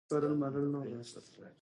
دا د لویو خلکو کار دی.